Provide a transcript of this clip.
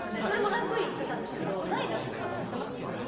それもランクインしてたんですけど何位だったか知ってますか？